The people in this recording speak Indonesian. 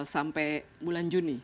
sampai bulan juni